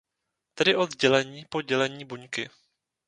Tedy od dělení po dělení buňky.